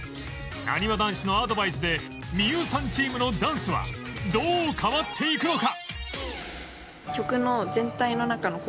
なにわ男子のアドバイスで美優さんチームのダンスはどう変わっていくのか？